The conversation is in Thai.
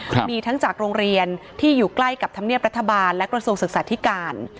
มีทั้งจากโรงเรียนที่อยู่ใกล้กับธรรมเนียบรัฐบาลและกระทรวงศึกษาธิการ